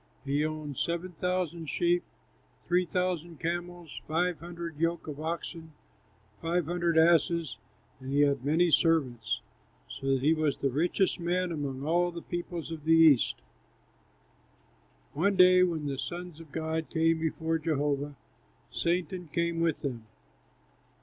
He owned seven thousand sheep, three thousand camels, five hundred yoke of oxen, five hundred asses; and he had many servants, so that he was the richest man among all the peoples of the East. One day when the sons of God came before Jehovah, Satan came with them.